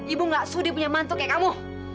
ibu gak sudi punya mantuk kayak kamu